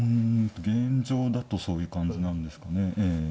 現状だとそういう感じなんですかね。